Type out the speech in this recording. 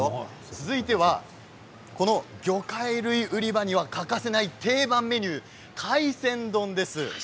続いては魚介類売り場には欠かせない定番メニュー海鮮丼です。